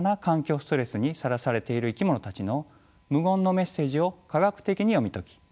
ストレスにさらされている生き物たちの無言のメッセージを科学的に読み解き